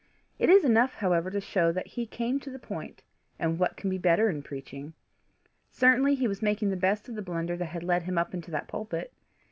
It is enough however to show that he came to the point and what can be better in preaching? Certainly he was making the best of the blunder that had led him up into that pulpit!